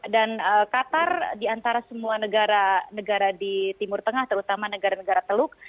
dan qatar di antara semua negara negara di timur tengah terutama negara negara teluk